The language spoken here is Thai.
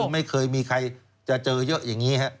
ไม่เคยมีใครจะเจอเยอะอย่างนี้ครับ